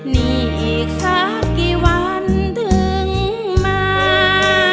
นี่อีกสักกี่วันถึงมา